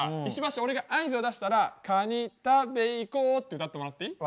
俺が合図を出したら「カニ食べ行こう」って歌ってもらっていい？